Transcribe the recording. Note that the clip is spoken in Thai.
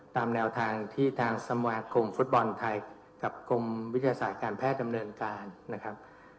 ตามแนวทางที่ทางสมาคมฟุตบอลไทยกับกรมวิทยาศาสตร์การแพทย์ดำเนินการนะครับ